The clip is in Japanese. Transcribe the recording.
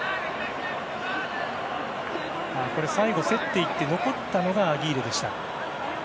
最後、競っていって残ったのがアギーレでした。